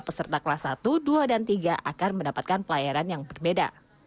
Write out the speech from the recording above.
peserta kelas satu dua dan tiga akan mendapatkan pelayaran yang berbeda